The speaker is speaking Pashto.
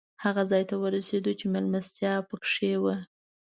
هغه ځای ته ورسېدو چې مېلمستیا پکې وه.